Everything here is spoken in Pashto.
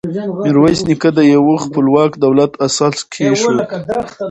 میرویس نیکه د یوه خپلواک دولت اساس کېښود.